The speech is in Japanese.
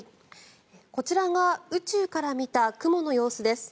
こちらが宇宙から見た雲の様子です。